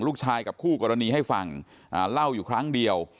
กับคู่กรณีให้ฟังเล่าอยู่ครั้งเดียว